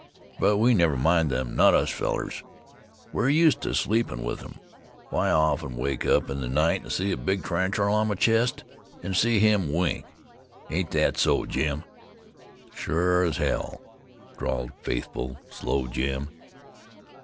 But we never mind them not us fellers! We're used to sleepin' with them. Why, I often wake up in the night to see a big tarantuler on my chest, an' see him wink. Ain't thet so, Jim?" "Shore as hell," drawled faithful, slow Jim.